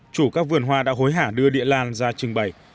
chủ các vườn hoa đã hối hả đưa địa lan ra trưng bày